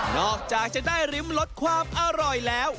อกจากจะได้ริมรสความอร่อยแล้ว